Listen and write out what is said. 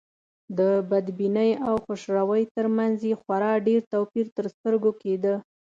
د بدبینۍ او خوشروی تر منځ یې خورا ډېر توپير تر سترګو کېده.